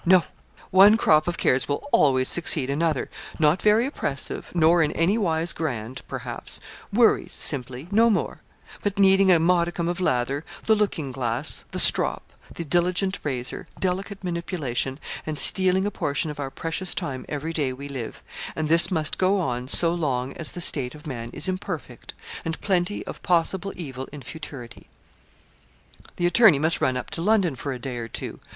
No! One crop of cares will always succeed another not very oppressive, nor in any wise grand, perhaps worries, simply, no more; but needing a modicum of lather, the looking glass, the strop, the diligent razor, delicate manipulation, and stealing a portion of our precious time every day we live; and this must go on so long as the state of man is imperfect, and plenty of possible evil in futurity. The attorney must run up to London for a day or two.